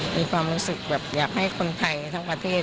มีความรู้สึกแบบอยากให้คนไทยทั้งประเทศ